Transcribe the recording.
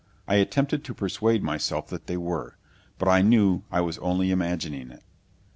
I attempted to persuade myself that they were. But I knew I was only imagining it.